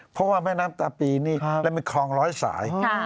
เพราะว่าแม่น้ำตาปีนี่และเป็นคลองร้อยสาย